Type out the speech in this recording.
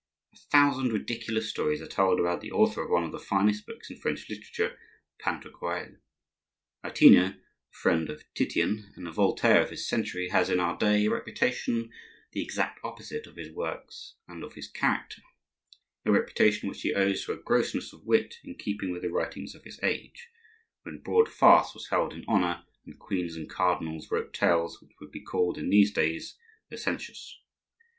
A thousand ridiculous stories are told about the author of one of the finest books in French literature,—"Pantagruel." Aretino, the friend of Titian, and the Voltaire of his century, has, in our day, a reputation the exact opposite of his works and of his character; a reputation which he owes to a grossness of wit in keeping with the writings of his age, when broad farce was held in honor, and queens and cardinals wrote tales which would be called, in these days, licentious.